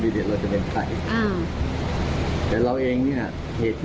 ถ้าเกิดว่าเพื่อไทยจะขออนุญาต